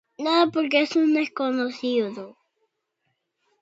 No, porque es un desconocido.